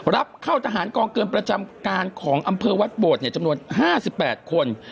รับเข้าทหารกองเกินประจำการของอำเภอวัดโบดจำนวน๕๘คน